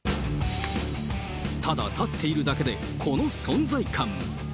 ただ立っているだけでこの存在感。